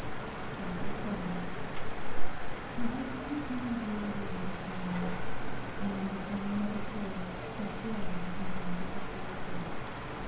CHAPTER SEVEN Her husband turned wearily once more, and drawing up a chair sat down in front of the cold grate.